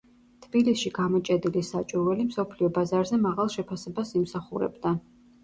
თბილისში გამოჭედილი საჭურველი მსოფლიო ბაზარზე მაღალ შეფასებას იმსახურებდა.